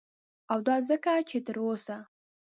او دا ځکه چه تر اوسه